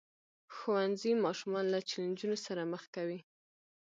ښوونځی ماشومان له چیلنجونو سره مخ کوي.